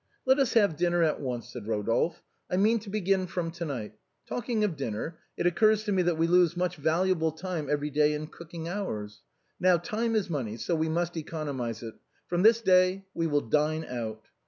" Let us have dinner at once," said Eodolphe. " I mean to begin from to night. Talking of dinner, it occurs to me that we lose much valuable time every day in cooking ours ; now time is money, so we must economize it. From this day we will dine out."